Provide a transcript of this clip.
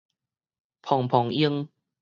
蓬蓬坱